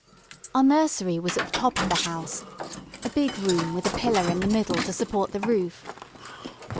Our nursery was at the top of the house, a big room with a pillar in the middle to support the roof.